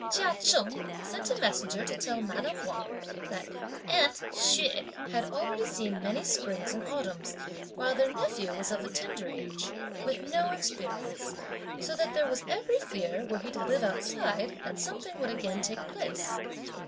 Chia Cheng sent a messenger to tell madame Wang that "'aunt' Hsüeh had already seen many springs and autumns, while their nephew was of tender age, with no experience, so that there was every fear, were he to live outside, that something would again take place.